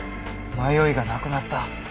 迷いがなくなった。